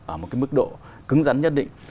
ở một cái mức độ cứng rắn nhất định